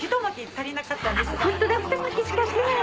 ホントだふた巻きしかしてない！